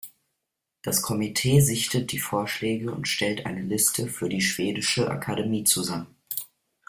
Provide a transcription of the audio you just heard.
Das Komitee sichtet die Vorschläge und stellt eine Liste für die Schwedische Akademie zusammen.